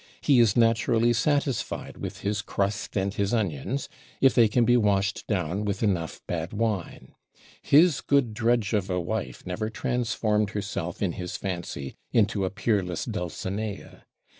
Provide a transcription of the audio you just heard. He is naturally satisfied with his crust and his onions, if they can be washed down with enough bad wine. His good drudge of a wife never transformed herself in his fancy into a peerless Dulcinea.